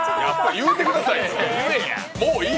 言ってください。